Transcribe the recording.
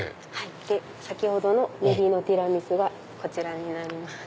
先ほどのねぎのティラミスがこちらになります。